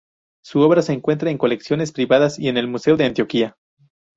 Su obra se encuentra en colecciones privadas y en el Museo de Antioquia.